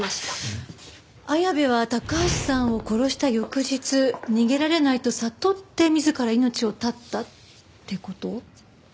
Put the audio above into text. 綾部は高橋さんを殺した翌日逃げられないと悟って自ら命を絶ったって事？